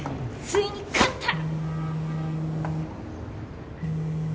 ついに勝った！